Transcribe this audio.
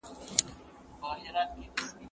که وخت وي بشپړوم